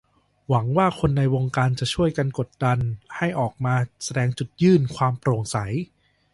หวังว่าคนในวงการจะช่วยกันกดดันให้ออกมาแสดงจุดยื่นความโปร่งใส